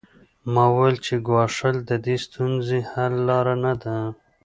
ما وویل چې ګواښل د دې ستونزې حل لاره نه ده